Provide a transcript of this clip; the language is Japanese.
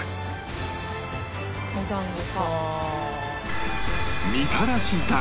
お団子か。